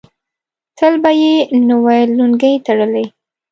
تل به یې نوې لونګۍ تړلې.